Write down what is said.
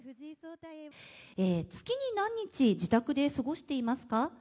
月に何日、自宅で過ごしていますか？